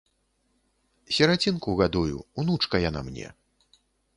Сірацінку гадую, унучка яна мне.